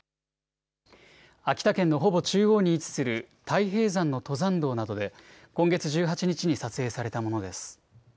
秋田県のほぼ中央に位置する太平山の登山道などで今月１８日に撮影されたものです。